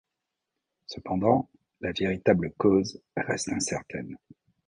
Cependant, la véritable cause reste incertaine.